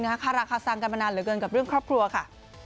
คาราคาซังกันมานานเหลือเกินกับเรื่องครอบครัวค่ะ